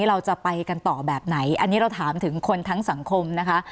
เราจะไปกันต่อแบบไหนอันนี้เราถามถึงคนทั้งสังคมนะคะ